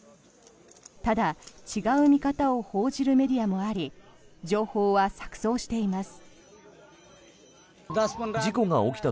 ただ、違う見方を報じるメディアもあり情報は錯そうしています。